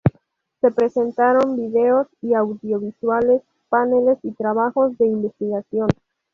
Se presentaron videos y audiovisuales, paneles y trabajos de investigación.